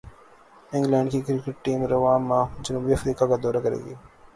England کی cricket team رواں ماہ جنوبی افریقہ کا دورہ کرے گی